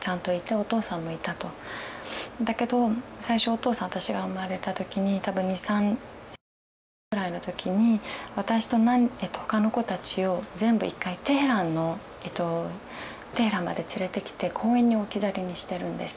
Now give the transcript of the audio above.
だけど最初お父さん私が生まれた時に多分２歳ぐらいの時に私と他の子たちを全部１回テヘランのテヘランまで連れてきて公園に置き去りにしてるんです。